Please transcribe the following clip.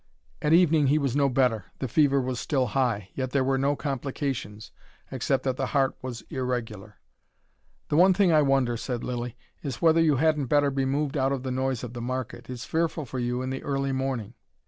At evening he was no better, the fever was still high. Yet there were no complications except that the heart was irregular. "The one thing I wonder," said Lilly, "is whether you hadn't better be moved out of the noise of the market. It's fearful for you in the early morning."